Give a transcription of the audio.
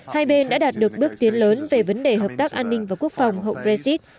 hai bên đã đạt được bước tiến lớn về vấn đề hợp tác an ninh và quốc phòng hậu brexit